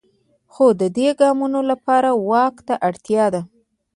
خو د دې ګامونو لپاره واک ته اړتیا ده.